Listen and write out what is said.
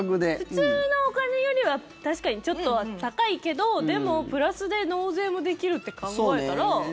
普通のお金よりは確かにちょっと高いけどでもプラスで納税もできるって考えたら全然。